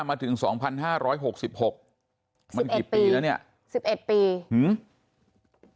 มาถึงสองพันห้าร้อยหกสิบหกมันกี่ปีแล้วเนี้ยสิบเอ็ดปีหือ